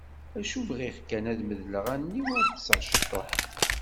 D acu bɣiɣ kan, ad medleɣ allen-iw u ad ṭṭseɣ ciṭuḥ.